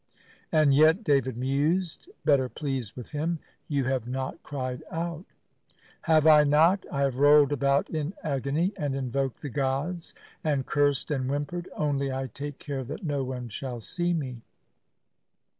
"And yet," David mused, better pleased with him, "you have not cried out." "Have I not! I have rolled about in agony, and invoked the gods, and cursed and whimpered; only I take care that no one shall see me."